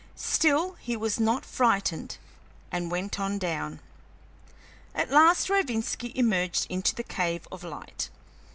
Still he was not frightened, and went on down. At last Rovinski emerged into the cave of light.